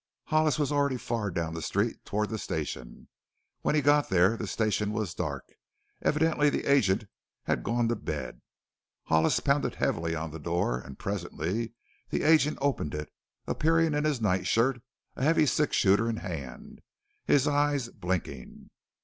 Hollis was already far down the street toward the station. When he got there the station was dark evidently the agent had gone to bed. Hollis pounded heavily on the door and presently the agent opened it, appearing in his night shirt, a heavy six shooter in hand, his eyes blinking.